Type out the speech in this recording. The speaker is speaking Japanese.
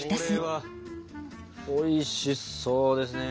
おいしそうですね。